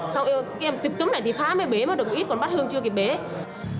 sau kìa tìm tấm này thì phá mới bế mà được ít còn bắt hương chưa kịp bế